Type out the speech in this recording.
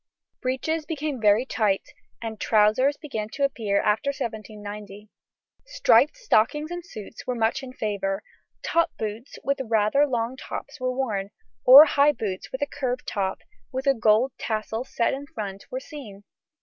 Breeches became very tight, and trousers begin to appear after 1790. Striped stockings and suits were much in favour. Top boots with rather long brown tops were worn, or high boots with a curved top, with a gold tassel set in front, were seen.